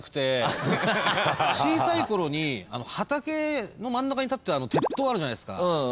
小さいころに畑の真ん中に立ってる鉄塔あるじゃないですか。